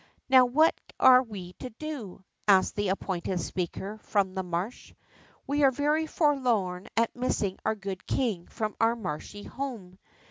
How what are we to do ?" asked the appointed speaker from the marsh. We are very forlorn at missing our good king from our marshy home.